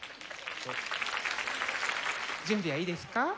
準備はいいですか？